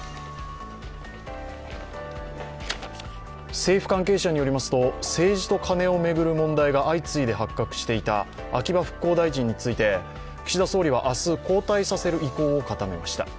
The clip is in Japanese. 政府関係者によりますと、政治とカネを巡る問題が相次いで発覚していた秋葉復興大臣について岸田総理は明日交代させる意向を固めました。